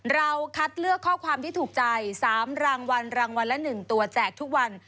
เราคัดเลือกข้อความที่ถูกใจ๓รางวัลรางวัลละ๑ตัวแจกทุกวัน